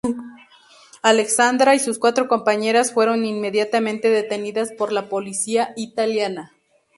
Aleksandra y sus cuatro compañeras fueron inmediatamente detenidas por la Policía italiana.